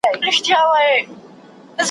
ژړي پاڼي به دي یو په یو توییږي `